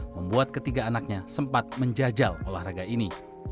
membuat ketiga anaknya sempat menjajal olahraga ini